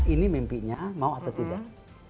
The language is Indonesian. ini mimpinya mau atau tidak